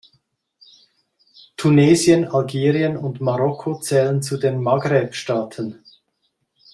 Tunesien, Algerien und Marokko zählen zu den Maghreb-Staaten.